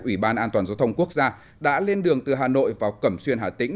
ủy ban an toàn giao thông quốc gia đã lên đường từ hà nội vào cẩm xuyên hà tĩnh